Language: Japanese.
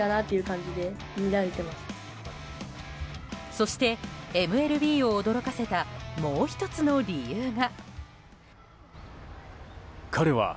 そしてＭＬＢを驚かせたもう１つの理由が。